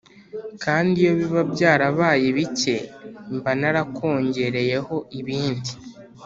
Kandi iyo biba byarabaye bike, mba narakongereyeho ibindi.